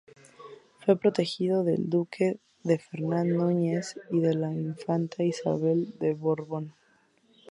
Fue protegido del duque de Fernán Núñez y de la infanta Isabel de Borbón.